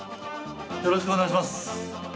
よろしくお願いします。